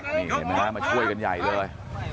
นี่เห็นไหมฮะมาช่วยกันใหญ่เลย